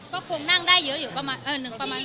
ก็คงนั่งได้เยอะอยู่ประมาณหนึ่งแสนบาท